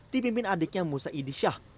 dipimpin adiknya musa idisyah